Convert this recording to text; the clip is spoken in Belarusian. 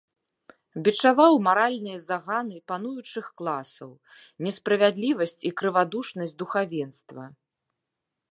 Бічаваў маральныя заганы пануючых класаў, несправядлівасць і крывадушнасць духавенства.